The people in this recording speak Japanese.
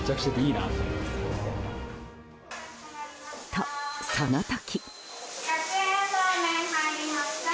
と、その時。